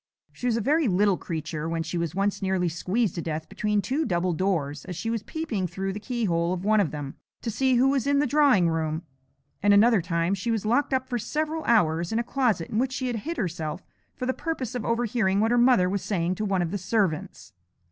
She was a very little creature when she was once nearly squeezed to death between two double doors as she was peeping through the keyhole of one of them to see who was in the drawing room; and another time she was locked up for several hours in a closet in which she had hid herself for the purpose of overhearing what her mother was saying to one of the servants.